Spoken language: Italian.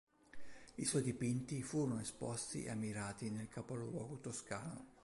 I suoi dipinti furono esposti e ammirati nel capoluogo toscano.